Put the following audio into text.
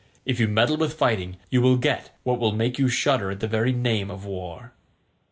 If you meddle with fighting you will get what will make you shudder at the very name of war."